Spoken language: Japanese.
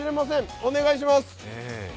お願いします！